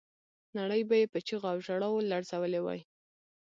نړۍ به یې په چیغو او ژړاو لړزولې وای.